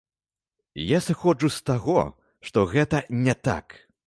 Я сыходжу з таго, што гэта не так.